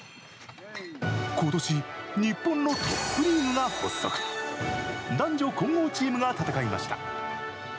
ことし日本のトップリーグが発足、男女混合チームが戦いました。